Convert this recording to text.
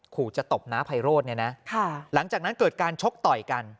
ขู่จะตบน้าไพโรธเนี่ยนะหลังจากนั้นเกิดการชกต่อยกัน